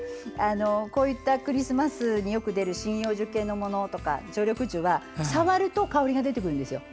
クリスマスによく出る針葉樹系のものや常緑樹は触ると香りが出てくるんです。